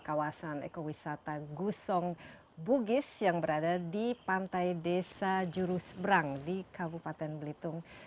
kawasan ekowisata gusong bugis yang berada di pantai desa jurus berang di kabupaten belitung